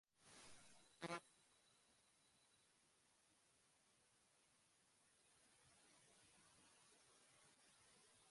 এছাড়া তিনি একমাত্র কৃষ্ণাঙ্গ অভিনয়শিল্পী যিনি অভিনয়ের ত্রি-মুকুট লাভ করেন।